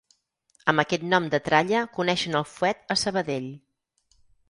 Amb aquest nom de tralla coneixen el fuet a Sabadell.